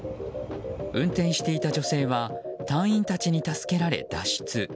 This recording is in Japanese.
運転していた女性は隊員たちに助けられ脱出。